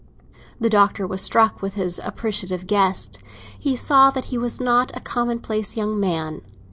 The Doctor was struck with his appreciative guest; he saw that he was not a commonplace young man.